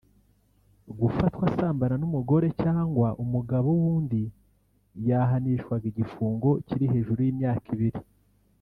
Gufatwa asambana n’umugore cyangwa umugabo w’undi yahanishwaga igifungo kiri hejuru y’imyaka ibiri